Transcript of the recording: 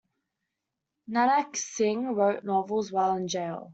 Nanak Singh wrote novels while in jail.